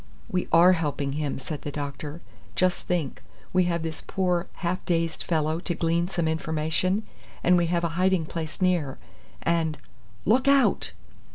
"We are helping him," said the doctor. "Just think: we have this poor half dazed fellow to glean some information, and we have a hiding place near, and Look out!"